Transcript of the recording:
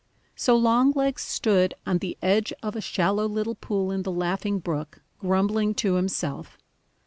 So Longlegs stood on the edge of a shallow little pool in the Laughing Brook, grumbling to himself.